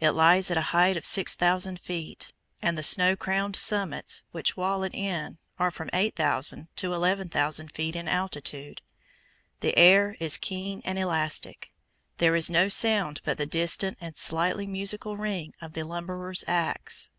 It lies at a height of 6,000 feet, and the snow crowned summits which wall it in are from 8,000 to 11,000 feet in altitude. The air is keen and elastic. There is no sound but the distant and slightly musical ring of the lumberer's axe.